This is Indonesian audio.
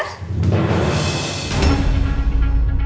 oh ini ada